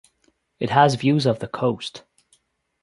It has views of the coast.